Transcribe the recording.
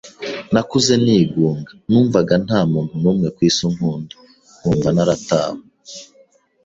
nakuze nigunga numvaga nta muntu numwe kw’isi unkunda, nkumva naratawe.